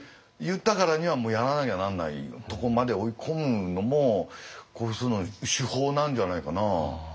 言ったからにはもうやらなきゃなんないとこまで追い込むのもこういう人の手法なんじゃないかな。